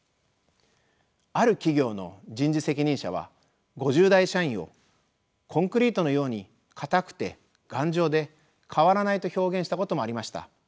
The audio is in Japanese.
ある企業の人事責任者は５０代社員をコンクリートのように硬くて頑丈で変わらないと表現したこともありました。